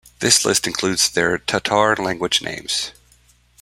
This list includes their Tatar language names.